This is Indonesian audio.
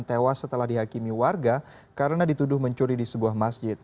tewas setelah dihakimi warga karena dituduh mencuri di sebuah masjid